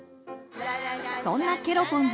そんなケロポンズ